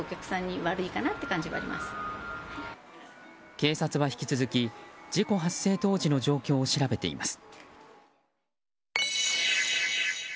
警察は引き続き事故発生当時の状況を調べています。